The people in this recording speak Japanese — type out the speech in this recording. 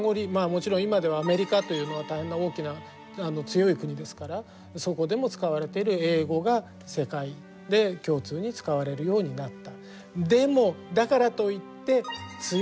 もちろん今ではアメリカというのが大変大きな強い国ですからそこでも使われている英語が世界で共通に使われるようになった。